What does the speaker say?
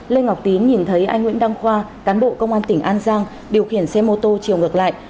lê ngọc tín nhìn thấy anh nguyễn đăng khoa cán bộ công an tỉnh an giang điều khiển xe mô tô chiều ngược lại